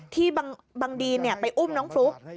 ที่บางดีนไปอุ้มน้องฟลุ๊ก